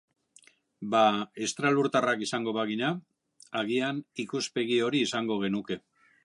Bada, estralurtarrak izango bagina, agian ikuspegi hori izango genuke.